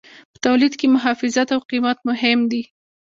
په تولید کې محافظت او قیمت مهم دي.